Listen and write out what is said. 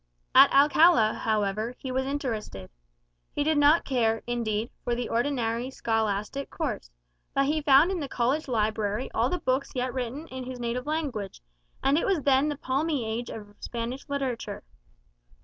At Alcala, however, he was interested. He did not care, indeed, for the ordinary scholastic course; but he found in the college library all the books yet written in his native language, and it was then the palmy age of Spanish literature.